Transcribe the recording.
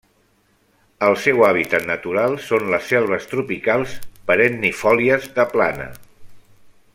El seu hàbitat natural són les selves tropicals perennifòlies de plana.